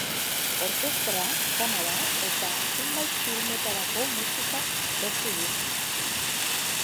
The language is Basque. Orkestra, kamara eta zenbait filmetarako musika sortu du.